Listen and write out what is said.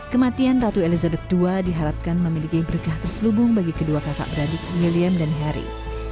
kematian ratu elizabeth ii diharapkan memiliki berkah terselubung bagi kedua kakak beradik william dan harry